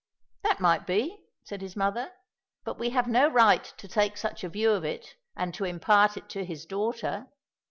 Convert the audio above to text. "That might be," said his mother, "but we have no right to take such a view of it, and to impart it to his daughter.